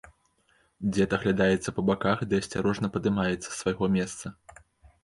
Дзед аглядаецца па баках ды асцярожна падымаецца з свайго месца.